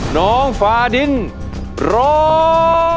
น้องฟาดินร้อง